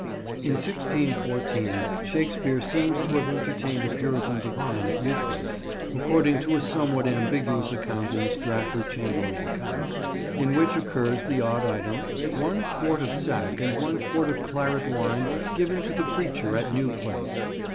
In 1614 Shakespeare seems to have entertained a Puritan divine at New Place, according to a somewhat ambiguous account in the Stratford chamberlain's accounts, in which occurs the odd item: "One quart of sack and one quart of claret wine given to the preacher at New Place."